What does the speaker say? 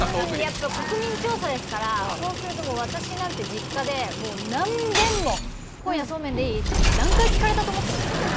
やっぱ国民調査ですからそうすると私なんて実家でもう何遍も「今夜そうめんでいい？」って何回聞かれたと思ってんですか。